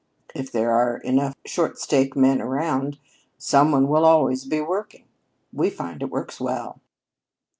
If there are enough short stake men around, some one will always be working. We find it works well."